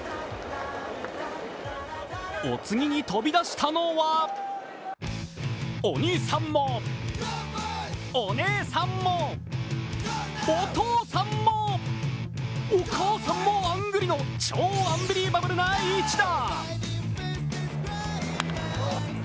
お次に飛び出したのはお兄さんも、お姉さんも、お父さんもお母さんもあんぐりの超アンビーバブルな一打。